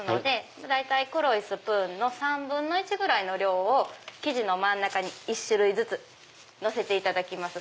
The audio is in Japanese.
大体黒いスプーンの３分の１ぐらいの量を生地の真ん中に１種類ずつのせていただきます。